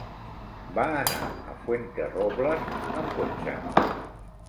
Va anar a Fuenterrobles amb cotxe.